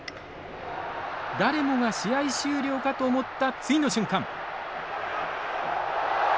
誰もが試合終了かと思った次の瞬間。